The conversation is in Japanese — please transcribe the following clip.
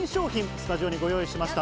スタジオにご用意しました。